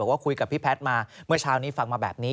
ว่าคุยกับพี่แพทย์มาเมื่อเช้านี้ฟังมาแบบนี้